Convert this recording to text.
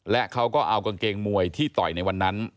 และเขาก็เอากางเกงมวยที่ต่อยในวันนั้น